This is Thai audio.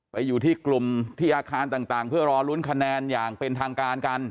ไปอยู่ที่กลุ่มที่อาคารต่างเพื่อรอลุ้นคะแนนอย่างเป็นทางการกัน